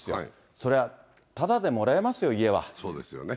そりゃ、ただでもらえますよ、家そうですよね。